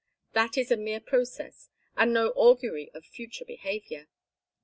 That is a mere process, and no augury of future behavior.